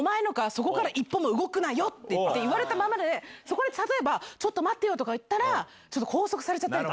そこから一歩も動くなよって言って、言われたままで、そこで例えば、ちょっと待ってよとか言ったら、ちょっと拘束されちゃったり。